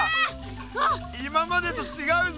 今までとちがうぞ！